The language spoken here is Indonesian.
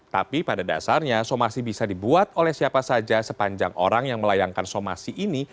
tapi pada dasarnya somasi bisa dibuat oleh siapa saja sepanjang orang yang melayangkan somasi ini